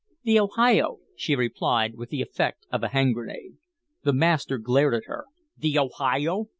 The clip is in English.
"The Ohio," she replied, with the effect of a hand grenade. The master glared at her. "The Ohio!